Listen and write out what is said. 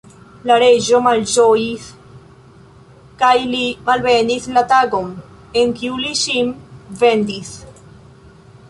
La reĝo malĝojis kaj li malbenis la tagon, en kiu li ŝin vendis.